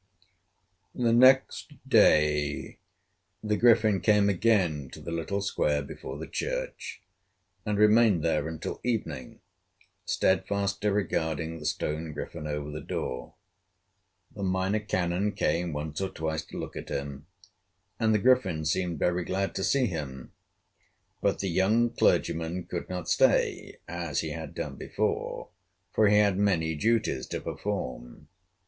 The next day the Griffin came again to the little square before the church, and remained there until evening, steadfastly regarding the stone griffin over the door. The Minor Canon came once or twice to look at him, and the Griffin seemed very glad to see him; but the young clergyman could not stay as he had done before, for he had many duties to perform.